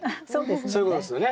そういうことですよね。